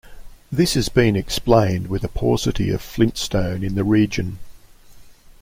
This has been explained with a paucity of flintstone in the region.